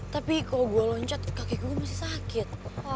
tapi kalau gue loncat kakek gue masih sakit